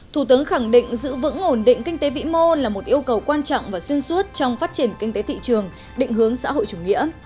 thủ tướng khẳng định giữ vững ổn định kinh tế vĩ mô là một yêu cầu quan trọng và xuyên suốt trong phát triển kinh tế thị trường định hướng xã hội chủ nghĩa